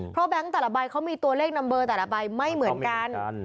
เพราะแบงค์แต่ละใบเขามีตัวเลขนำเบอร์แต่ละใบไม่เหมือนกัน